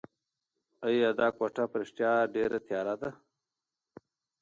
ایا دا کوټه په رښتیا ډېره تیاره ده؟